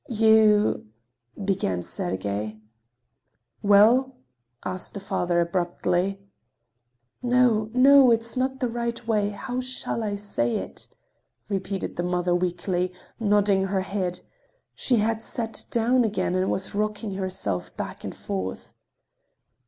"You—" began Sergey. "Well?" asked the father abruptly. "No, no! It is not the right way! How shall I say it?" repeated the mother weakly, nodding her head. She had sat down again and was rocking herself back and forth.